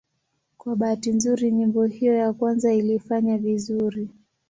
Kwa bahati nzuri nyimbo hiyo ya kwanza ilifanya vizuri.